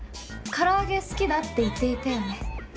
唐揚げ好きだって言っていたよね？